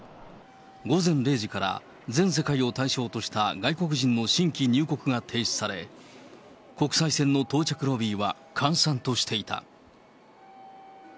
午前０時から、全世界を対象とした外国人の新規入国が停止され、国際線の到着ロビーは閑散としていた。